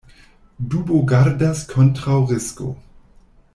Dubo gardas kontraŭ risko.